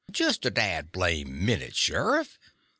"Jest a dad blamed minute, Sheriff."